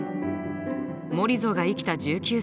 モリゾが生きた１９世紀。